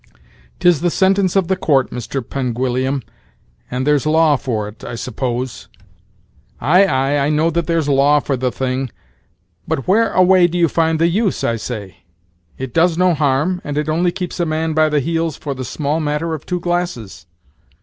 "'Tis the sentence of the court, Mr. Penguillium, and there's law for it, I s'pose." "Ay, ay, I know that there's law for the thing; but where away do you find the use, I say? it does no harm, and it only keeps a man by the heels for the small matter of two glasses."